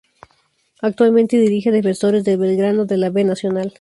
Actualmente dirige a Defensores de Belgrano de la B Nacional.